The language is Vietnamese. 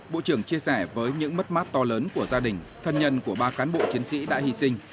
bộ trưởng chia sẻ với những mất mát to lớn của gia đình thân nhân của ba cán bộ chiến sĩ đã hy sinh